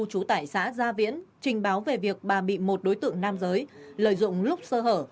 chú tải xã gia viễn trình báo về việc bà bị một đối tượng nam giới lợi dụng lúc sơ hở